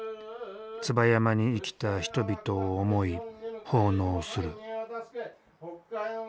椿山に生きた人々を思い奉納する。